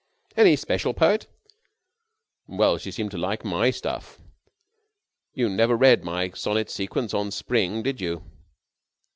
"Any special poet?" "Well, she seemed to like my stuff. You never read my sonnet sequence on Spring, did you?"